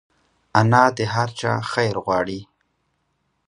انا د هر چا خیر غواړي